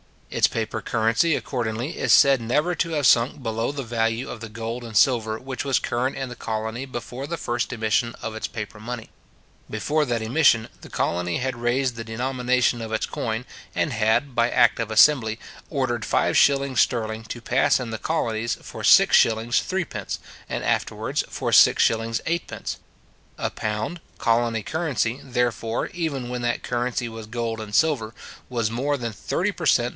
Its paper currency, accordingly, is said never to have sunk below the value of the gold and silver which was current in the colony before the first emission of its paper money. Before that emission, the colony had raised the denomination of its coin, and had, by act of assembly, ordered 5s. sterling to pass in the colonies for 6s:3d., and afterwards for 6s:8d. A pound, colony currency, therefore, even when that currency was gold and silver, was more than thirty per cent.